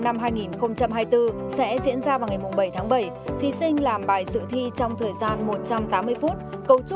năm hai nghìn hai mươi bốn sẽ diễn ra vào ngày bảy tháng bảy thí sinh làm bài dự thi trong thời gian một trăm tám mươi phút câu